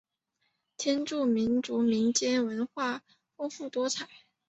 天柱民族民间文化丰富多彩。